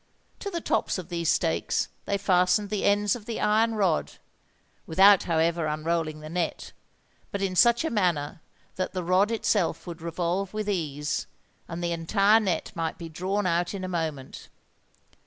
To the tops of these stakes they fastened the ends of the iron rod, without however unrolling the net, but in such a manner that the rod itself would revolve with ease, and the entire net might be drawn out in a moment.